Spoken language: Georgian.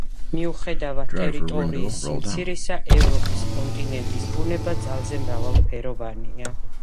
მიუხედავად ტერიტორიის სიმცირისა, ევროპის კონტინენტის ბუნება ძალზე მრავალფეროვანია.